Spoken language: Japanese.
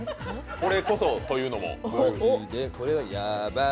これこそ、というのも？